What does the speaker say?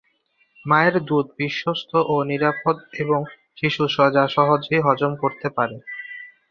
মায়ের দুধ বিশ্বস্ত ও নিরাপদ এবং শিশু যা সহজেই হজম করতে পারে।